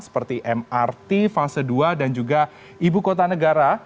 seperti mrt fase dua dan juga ibu kota negara